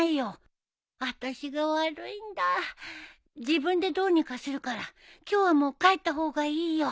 自分でどうにかするから今日はもう帰った方がいいよ。